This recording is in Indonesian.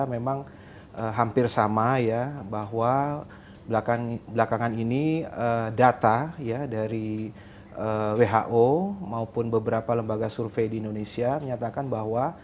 memang hampir sama ya bahwa belakangan ini data ya dari who maupun beberapa lembaga survei di indonesia menyatakan bahwa